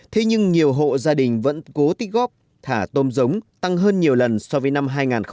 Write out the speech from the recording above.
thế nhưng nhiều hộ gia đình vẫn cố tích góp thả tôm giống tăng hơn nhiều lần so với năm hai nghìn một mươi bảy